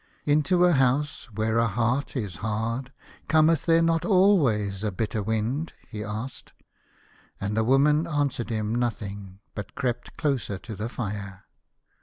" Into a house where a heart is hard cometh there not always a bitter wind ?" he asked. And the woman answered him no thing, but crept closer to the fire.